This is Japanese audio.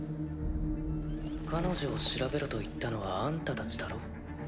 彼女を調べろと言ったのはあんたたちだろ。